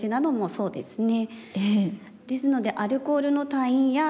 そうなんですね。